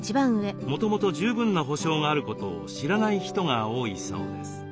もともと十分な保障があることを知らない人が多いそうです。